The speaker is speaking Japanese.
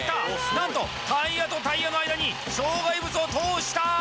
なんとタイヤとタイヤの間に障害物を通した！